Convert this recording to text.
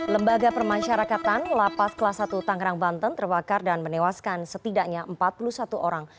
lembaga permasyarakatan lapas kelas satu tangerang banten terbakar dan menewaskan setidaknya empat puluh satu orang